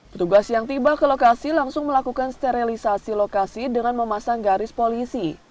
petugas yang tiba ke lokasi langsung melakukan sterilisasi lokasi dengan memasang garis polisi